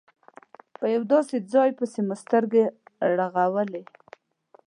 په یو داسې ځای پسې مو سترګې رغولې.